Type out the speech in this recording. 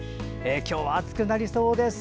今日は暑くなりそうです。